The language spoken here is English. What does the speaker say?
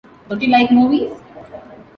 Don't you like movies?